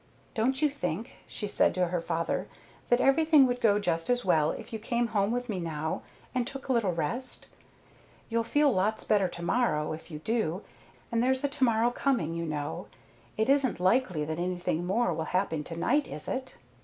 "Don't you think," she said to her father, "that everything would go just as well if you came home with me now and took a little rest? You'll feel lots better to morrow, if you do, and there's a to morrow coming, you know. It isn't likely that anything more will happen tonight, is it?"